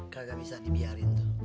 gak bisa dibiarin tuh